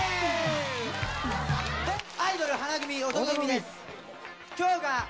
『アイドル花組おとこ組』です。